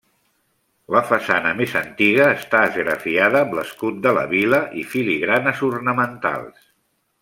La façana més antiga està esgrafiada amb l'escut de la vila i filigranes ornamentals.